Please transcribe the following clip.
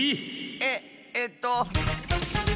えっえっと。